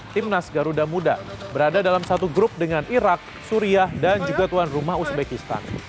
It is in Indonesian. timnas garuda muda berada dalam satu grup dengan irak suriah dan juga tuan rumah uzbekistan